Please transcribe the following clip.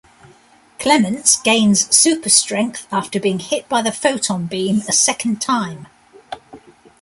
Clements gains super-strength after being hit by the photon beam a second time.